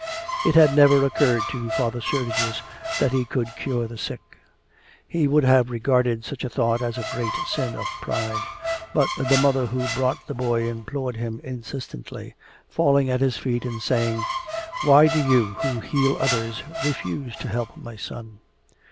It had never occurred to Father Sergius that he could cure the sick. He would have regarded such a thought as a great sin of pride; but the mother who brought the boy implored him insistently, falling at his feet and saying: 'Why do you, who heal others, refuse to help my son?